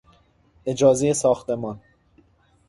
اجازهی ساختمان